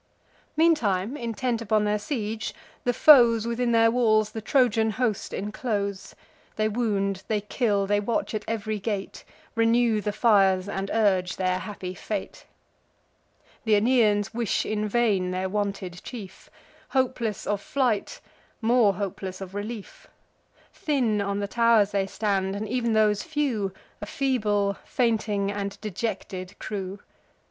Meantime, intent upon their siege, the foes Within their walls the Trojan host inclose: They wound, they kill, they watch at ev'ry gate; Renew the fires, and urge their happy fate. Th' Aeneans wish in vain their wanted chief, Hopeless of flight, more hopeless of relief. Thin on the tow'rs they stand; and ev'n those few A feeble, fainting, and dejected crew.